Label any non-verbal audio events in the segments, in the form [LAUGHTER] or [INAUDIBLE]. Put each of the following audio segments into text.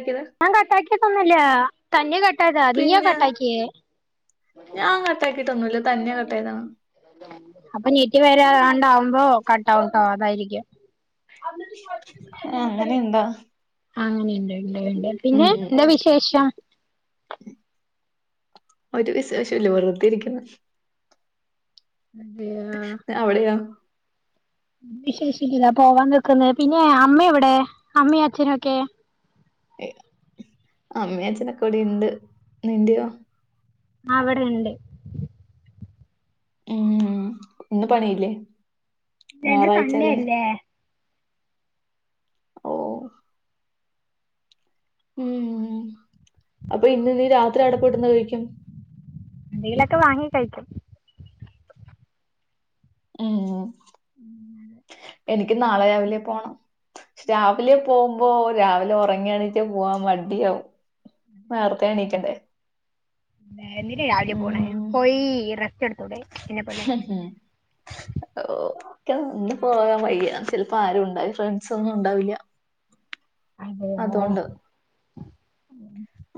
ക്കിയത് ഞാൻ കട്ടാക്കിയതൊന്നല്ല തന്നെ കട്ടായതാ നീയാ പിന്നെ കട്ടാക്ക്യേ ഞാൻ കട്ടാക്കിട്ടൊന്നുല്ല തന്നെ കട്ടായതാണ് അപ്പൊ നൈറ്റ് വരാ ഞാണ്ടാവുമ്പോ കട്ടാവുംട്ടോ അതായിരിക്കും ഏഹ് അങ്ങനിണ്ടോ അങ്ങനീണ്ട് ഇണ്ട് ഇണ്ട് പിന്നെ എന്താ വിശേഷം ഒരു വിശേഷൂല്ല വെർതെ ഇരിക്ക്ന്ന് അവിടെയൊ വിശേഷിക്കില്ല പോവാ നിക്ക്ന്ന് പിന്നെ അമ്മെ എവിടെ അമ്മിം അച്ഛനൊക്കെ അമ്മി അഛനൊക്കെ ഇവിടിണ്ട് നിന്റെയോ അഹ് ഇവടെ ഇണ്ട് ഉം ഇന്ന് പണിയില്ലേ ഇല്ല ഇന്ന് സൺഡേ ഞായറാഴ്ചല്ലേ അല്ലേ ഓ ഉം അപ്പൊ ഇന്ന് നീ രാത്രി അടപോയിട്ട് എന്താ കഴിക്കും എന്തെങ്കിലൊക്കെ വാങ്ങി കഴിക്കും ഏ എനിക്ക് നാളെ രാവിലെ പോണം പക്ഷെ രാവിലെ പോമ്പോ രാവിലെ ഒറങ്ങിഎണീറ്റ് പോവാൻ മട്യാവും നേർത്തെ എണീക്കണ്ടേ എന്തിനാ രാവിലെ പോണേ ഉം പോയി റെസ്റ്റെട്ത്തൂടെ എന്നെ പോലെ ഓക്കെ പോകാൻ വയ്യ ചെൽപ്പോ ആരും ഉണ്ടാവില്ല ഫ്രണ്ട്സൊന്നും ഉണ്ടാവില്ല അതെ അതുകൊണ്ട്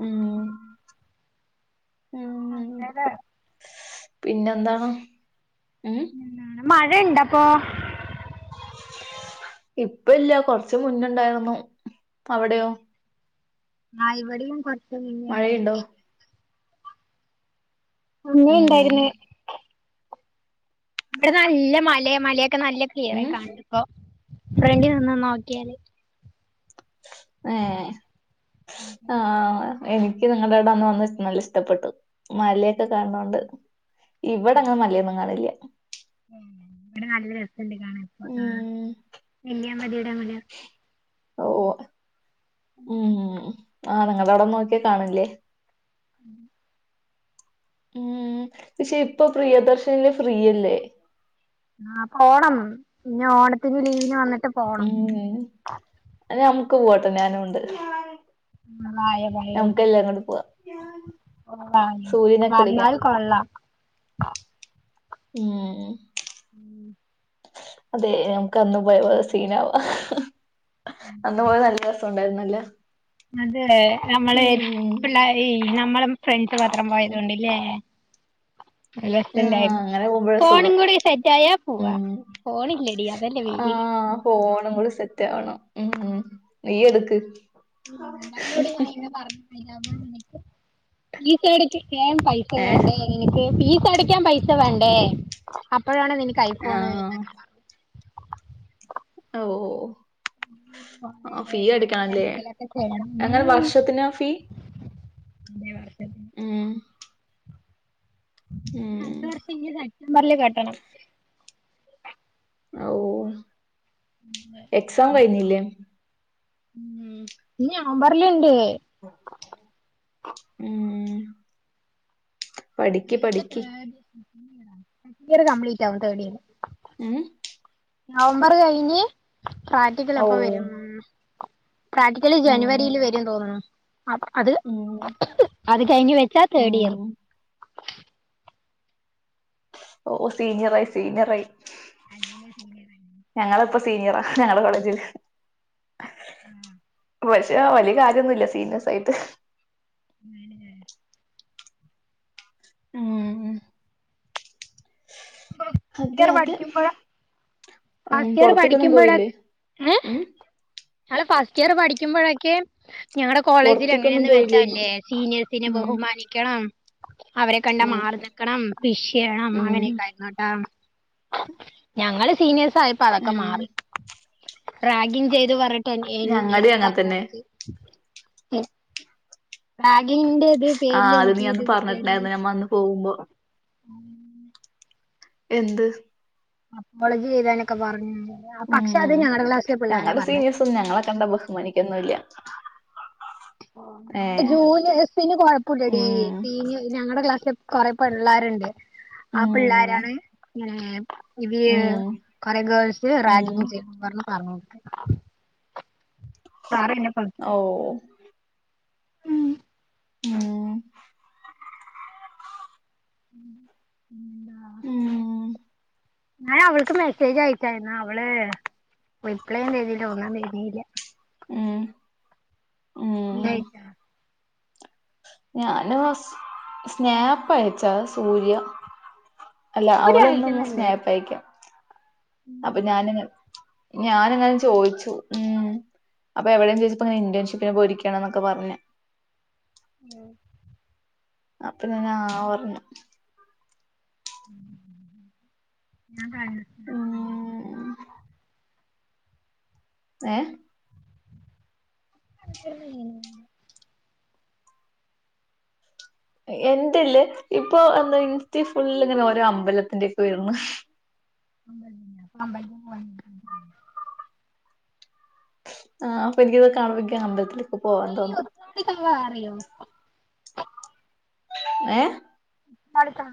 ഉം [UNINTELLIGIBLE] പിന്നെ എന്താണ് മഴ ഇണ്ടപ്പൊ ഇപ്പ ഇല്ല കൊർച്ച് മുന്നെണ്ടാര്ന്നു അവിടെയോ ആ ഇവിടെയും കൊർച്ച് മുന്നേ ഇണ്ടായ്നു മഴയുണ്ടോ അങ്ങെനെ ഉം ഇണ്ടായിര്ന്ന് ഇവിടെ നല്ല മല മലക്കെ നല്ല ഉം ക്ലിയറായി കാണണ്ട് ഇപ്പോ ഫ്രണ്ട് നിന്ന് നോക്കിയാല് ഏ ആഹ് എനിക്ക് നിങ്ങൾടെ അവിടെ അന്ന് വന്ന് നല്ല ഇഷ്ടപ്പെട്ടു മലയൊക്കെ കാൺണോണ്ട് ഇവിടെ അങ്ങനെ മലയൊന്നും കാണില്ല ഇവടെ നല്ല രസണ്ട് കാണന് ഇപ്പതാ ഉം നെല്ലിയാമ്പതിയുടെ മല ഓ ഉം ആഹ് നിങ്ങളവിടെ നോക്കിയാ കാണൂല്ലേ ഉം ഉം പക്ഷെ ഇപ്പൊ പ്രിയദർശ്ന്ല് ഫ്രീയല്ലേ ആ അപ്പൊ പോണൊന്ന് ഇഞ്ഞ് ഓണത്തിന് ലീവിന് വന്നിട്ട് ഉ പോണം അ നമ്ക്ക് പോണട്ടോ ഞാനുണ്ട് വായ നമ്ക്കെല്ലാരും കൂടി പോവാ ഓ വന്നാല് കൊള്ളാം ഉം ഉം അതെ നമക്ക് അന്നുപോയ പോലെ സീൻ ആവാ. അന്ന് പോയത് നല്ല രസം ഉണ്ടായിരു ന്നല്ലേ? അതെ നമ്മളെ എ പിള്ളറെയ് ഈ നമ്മളും ഫ്രണ്ട്സും മാത്രം പോയതുകൊണ്ട്ല്ലേ. ആ അങ്ങനെ പോകുമ്പോഴ ഫോണും സുഖം കൂടി സെറ്റ് ആയാ പോവാ ഉം. ഫോണില്ലടി അതല്ലേ പേടി ആഹ ഹോണം ഇവൾ സെറ്റ് ആവണം. ഉം ഉം നി എടുക്ക്. ഉം അവനോട്‌ ഞാൻ ഇന്ന് പറഞ്ഞ്കഴിഞ്ഞപോ എനിക്ക്. ഈ [UNINTELLIGIBLE] പൈസ ഏഹ് വേണ്ടേ എനിക്ക് ഫീ അടക്കാൻ പൈസ വേണ്ടേ അപ്പോഴാണ് നിനക്ക് ഐഫോൺ ആഹ് [UNINTELLIGIBLE] ഓ ഓഓ [UNINTELLIGIBLE] ഞാനിനിന്തെങ്കിലും ഒകെയെ ചെയണം അങ്ങനെ മ്മ് വർഷത്തിനാ ഫീ മ്മ്. [UNINTELLIGIBLE] ഉം ഉം അടുത്ത വർഷം ഇനി സെപ്റ്റംബറില് കെട്ടണം. ഔ എക്സാം കഴ്ന്നില്ലേ? ഉം മ്മ് ഇനി നവംബറിലുണ്ട്. പഠിക്കി പഠിക്കി. ഫെ ഇയർ കംപ്ലീറ്റ് ആവും തേഡ് ഇയർ. ഏ നവംബർ കഴിഞ്ഞ് പ്രാക്ടിക്കൽ അപ്പൊ ഓഹ് വരുംമ്മ് പ്രാക്ടിക്കലി ഉം ജനുവരിയിൽ വരും തോന്നു ന്നു. അ അത് ഉം അത് കഴിഞ്ഞ് വെച്ചാ തേർഡ് ഇയർ. ഉം ഓ സീനിയർ ആയി സീനിയർ ആയി. അനിയൻ സീനിയർ. സീനിയറ ആ ഞങ്ങളുടെ കോളേജിൽ. ഹെ പക്ഷെ വലിയ കാര്യന്നുയില്ല സീനിയസ് ആയിട്ട്. ഞാൻ ഞാൻ ഉം മ്മ് അതെ അതെ ഉം ആസ്തിയാർ പൊറത്തേക്കൊന്നും പോയില്ലേ പഠിക്കുമ്പോയൊക്കെ ഏ. ഇയാൾ ഫസ്റ്റ് ഇയർ പഠിക്കുമ്പോഴൊക്കെ. ഞങ്ങളുടെ കോളേജിൽ പൊറത്തേക്കൊന്നും യെങ്ങനെയെന്ന് പോയില്ലേന്ന് വെച്ചൽയില്ലേ സീനിയേഴ്സിനെ ഉം ബഹുമാനിക്കണം. അവരെ കണ്ടാ ഉം മാർ നിക്കണം വിഷ് ചെയ്യണം ഉം അങ്ങനെയൊക്കെ ആയിരുന്നുട്ടാ. ഞങ്ങള് സീനിയേഴസ് ആയപ്പോ അതൊക്കെ ഉം മാറി റാഗിങ് ചെയ്ത് വെ പറട്ട എന്നെ ഞങ്ങടേം അങ്ങനെ പറഞ്ഞ് തന്നെ കൊടുത്ത് ഏ. മാഗിന്റെ ഇത് ആ പേരിൽ അത് നീ എനിക്ക് അന്ന് ഇത് കിട്ടടി. പറഞ്ഞിട്ടുണ്ടായിരുന്നു ഞമ്മ അന്ന് പോകുമ്പോ എന്ത്? അപ്പോളജി ചെയ്താനൊക്കെ പറഞ്ഞ് ഉം. ഉം ഞങ്ങളെ സീനിയേഴ്സും ഞങ്ങളെ കണ്ട ബഹുമാനിക്കൊന്നുല്ല. ഏ ഞ ജൂനിഎയ്സിന്ന് കൊഴപ്പല്ലടീ ഉം സീന ഞങ്ങളെക്ലാസ്സ്. കൊറെ പിള്ളേരുണ്ട് ആ ഉം പിള്ളോരാണ് ഇങ്ങനെ ഇത് ഉം കൊറെ ഗേൾസ് ഉം റാഗിങ് ചെയ്തുഎന്ന് പറന്ന് [UNINTELLIGIBLE] സാർ എന്നെ ഓ ആഹ ഉം ഉം ന്താ. ഉം ഞൻ അവൾക്ക് മെസ്സേജ് അയച്ചായിരുന്നു അവള് റിപ്ലയും തർന്നില്ല [UNINTELLIGIBLE] വേർന്നില്ല. ഉം [UNINTELLIGIBLE] ഞാന് സ്നാപ്പ് അയച്ചാ സൂര്യ അല്ല ഇവര് അവളൊന്നും സ് അയക്കുന്നുണ്ട് ന്നേപ്പയക്കാം അപ്പൊ ഞാനങ്ങ ഞാനങ്ങനെ ചോയിച്ചു ഉം അപ്പൊ എവിടെന്ന് ചോച്ചപ്പപ്പോെ ഇന്റേൺഷിപ്പിനെ പോയിരിക്കാന്ന് പറഞ് ഉം അപ്പൊ [UNINTELLIGIBLE] ഞ്ഞു [UNINTELLIGIBLE] ഉം ഏ എന്തല് ഇപ്പൊ എാ ഇൻസ്റ്റ ഫുൾ ഇങ്ങനെ ഓരോ അമ്പലത്തിന്റെ ഒക്കെ വരുന്നു [UNINTELLIGIBLE] ആ അപ്പൊ എനിക്കിതൊ കാണുമ്പോ അമ്പലത്തിലൊക്കെ പോവാൻ നീ തോന്നുന്നു ഉത്രാടി കവ അറിയോ ഏ അടുക്കണ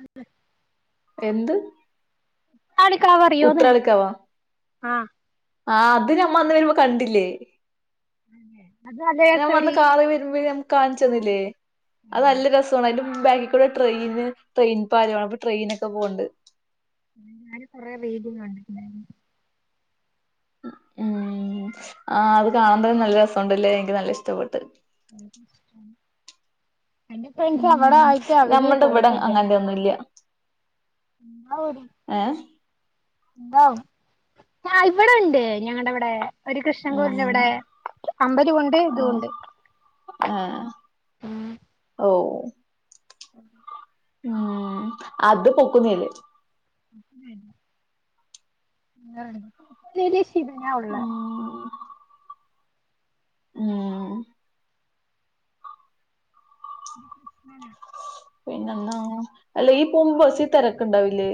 എന്ത് [UNINTELLIGIBLE] വറിയോന്ന് ഉത്രാളിക്കാവാ ആ ആ അത് നമ്മ അന്ന് വരുമ്പോ കണ്ടില്ലേ അത് നല്ല ഞാൻ വന്ന് രസടി കാറ് വരുമ്പോഴ കാണിച്ചന്നില്ലേ അത് നല്ല രസമാണ് ബാക്കികൂടെ ട്രെയിന് ട്രെയിൻപ്പാല അപ്പൊ ട്രെയിനക്കെ പോവ്ണ്ട് ഞാന് കൊറെ [UNINTELLIGIBLE] കണ്ടിരുന്നു ഉം ആ അത് കാണാൻ തെ നല്ല രസണ്ടല്ലേ എനിക്ക് നല്ല ഇഷ്ടപ്പെട്ട് [UNINTELLIGIBLE] എൻ്റെ ഫ്രണ്ട്സ് അവിടെ ഉം ആയിട്ട് അവര് നമ്മുടെ ഇവിടെ പോയിട്ടില്ല അങ്ങനത്തെ ഒന്നുംല്ല ഔ ഏ ഔ ഞ ഇവിടെ ഉണ്ട് ഞങ്ങള ഇവിടെ ഒരു കൃഷ്ണൻകൂടിന് ഉം ഇവിടെ അമ്പലവുണ്ട് ആ ഇതുണ്ട് ആ ഉം ഓ [UNINTELLIGIBLE] ഉം അത് പൊക്കുന്നില്ലെ [UNINTELLIGIBLE] ശിവനാ ഉള്ള ഉം ഉം [UNINTELLIGIBLE] പിന്നെന്താ അല്ല ഈ പോകുമ്പോ ബസിൽ തിരക്കുണ്ടാവില്ലേ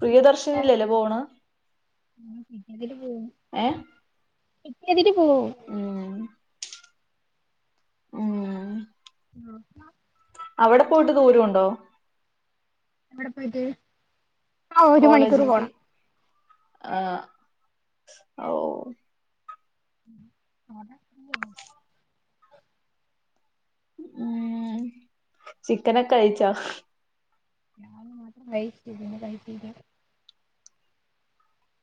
പ്രിയദർശനിെല ല്ലെ പോണ് കതിട്ട് പോ ഏ കറ്റിയതിട്ട് പോ ഉം ഉം [UNINTELLIGIBLE] അവിടെ പോയിട്ട് ദൂരംണ്ടോ എവിടെ പോയിട്ട് ആ ഒരു മണിക്കൂർ പോണം ആ ഓ അ [UNINTELLIGIBLE] ഉം ചിക്കനൊക്കെ കഴിച്ചോ ഞൻ മാത്രം കൈ ചിട്ടില്ല [INAUDIBLE]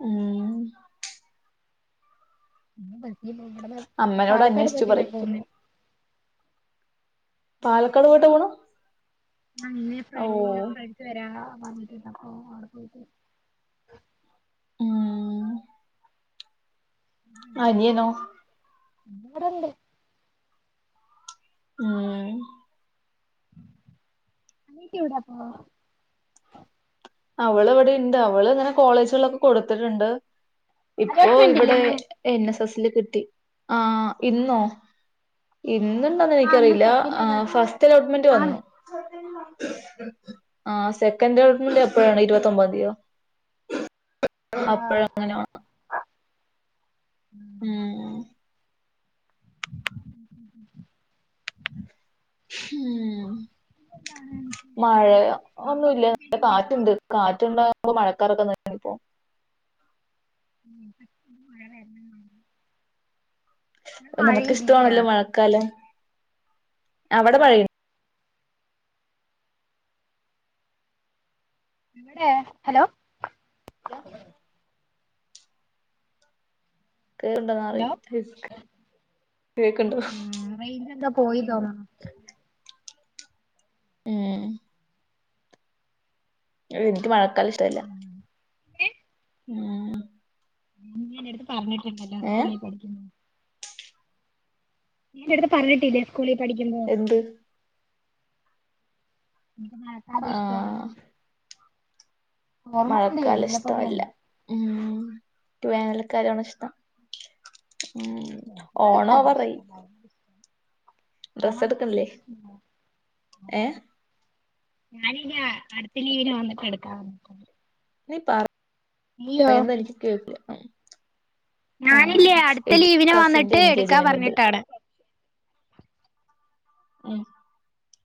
ഉം ബസ അവിടെന്ന അമ്മനോട് പാലക്കാട് അന്വേഷിച്ചു പോയിട്ടാ ഞാൻ പറയ് പോന്നേ പാലക്കാട് പോയിട്ട് പോണു ആ ഇന്ന് ഫ ഓ ഫ്രണ്ട്സ് വരാന്ന് പറഞ്ഞിട്ട്ണ്ട് അപ്പൊ അവിടെ പോയിട്ട് ഉം അനിയനോ ഇബടെണ്ട് ഉം അനിയത്തി എവിടെ പോ അവള് ഇവിടെ ഇണ്ട്. അവള് ഇങ്ങനെ കോളേജേൾളോക്കെ കൊടുത്തിട്ടുണ്ട് ഇപ്പൊ അലോട്ട്മെന്റ് ഇവിടെ ഇല്ലേന്ന് എൻ എസ് എസ് ല് കിട്ടി ആ ഇന്നോ ഇന്ന്ണ്ടോന്ന് ആ ഇന്ന് എനിക്കറിയില്ല. സെക്കൻഡ് ആ അലോട്ട് ഫസ്റ്റ് അലോട്ട്മെന്റ് ആണ് വന്നു ആ സെക്കൻഡ് അലോട്ട്മെൻഡ് എപ്പോഴാണ്. ഇരുവത്തൊബാതിയൊ അപ്പഴ ആഹ് അങ്ങനെ വാണ് ഉം [UNINTELLIGIBLE] ഉം എന്താണ് വിശേഷം മഴ യൊ നാളെ ഒന്നുമല്ല. പോയി കഴിഞ്ഞാ ഇപ്പൊ കാറ്റുണ്ട് വരും കാറ്റുണ്ട പോ മഴക്കാറൊക്കെനല്ല ണിപ്പോ അ മഴ നിനക്ക് ഇല്യ അവടെ പറയു എ ഹലോ ! ! ഹലോ ! ! ! ! ! ! കേക്ക് ആ കേക്ക്ണ്ടോ ആ റേഞ്ച് എന്തോ പോയി തോന്ന്ണ് ഉം ൻക്ക് മഴക്കാലഷ്ടല്ല [UNINTELLIGIBLE] ഉം നീയ്യ് എന്റെ അടുത്ത് പറഞ്ഞിട്ടുണ്ടല്ലോ ഏ സ്കൂളിൽ [UNINTELLIGIBLE] നിന്റെടുത്ത് പറഞ്ഞിട്ടില്ലേ സ്കൂളിൽ പഠിക്കുമ്പോ? എന്ത് എനിക്ക് മഴക്കാലം ആഹ് ഇഷ്ടല്ലാന്ന് മഴക്കാലം ഇഷ്ട്ടവല്ല പോലെയല്ല ഉം [UNINTELLIGIBLE] വേനൽക്കാലാണ് ഇഷ്ടം. ഉം എനിക്ക് ഓണാവാറായി. ആ ഏ [UNINTELLIGIBLE] ഞാനിനി അടുത്ത ലീവിന് വന്നിട്ട് എടുക്കാവെന്ന്. നീ പറ പറയുന്നെ എനിക്ക് [UNINTELLIGIBLE] ആഹ് ഞാനില്ലേ അട്ത്ത എനിക്ക് ലീവിന് കസിന്റെ വന്നിട്ട് എടുക്കാ എൻഗേജ്മെന്റ് ഉണ്ട് പറഞ്ഞിട്ടാണ്. ഉം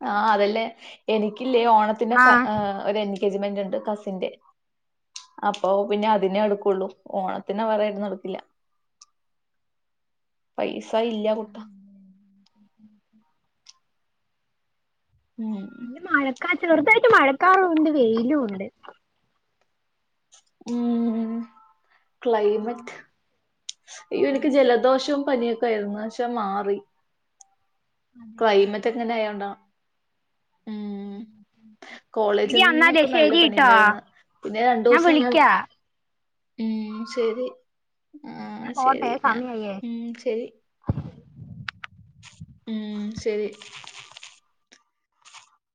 ആഹ് അതല്ലേ എനിക്കില്ലേ ഓണത്തിന്റെ ക ആഹ് ഒരെൻ ഗേജ്മെന്റിണ്ട് കസിന്റെ അപ്പോ പിന്നെ അതിനെ എടുക്കൊള്ളൂ. ഓണത്തിന് വേറെ ആയിട്ടൊന്നും എടുക്കില്ല പൈ സ ഇല്ലാ കുട്ടാ. ഉം [UNINTELLIGIBLE] മഴക്കാല ചെറുതായിട്ട് മഴക്കാറുമുണ്ട് വെയിലുമുണ്ട്. ഉം ക്ലൈമറ്റ് അയ്നെടക്ക് ജലദോഷം പനിയൊക്കെയായിരുന്നു പക്ഷെ മാറി ക്ലൈമറ്റ് ങ്ങനായോണ്ടാ ഉം എടി കോളേജിൽ അന്നാലേ നിന്നൊക്കെ നല്ല ശരിട്ടോ പനിയിണ്ടായിരുന്ന് പിന്നെ രണ്ടൂസം ഞാൻ ഉം ശരി ആഹ് ഞാൻ ശരി പോട്ടെ ഞാ സമയായേ ഉം ശരി ഉം ശരി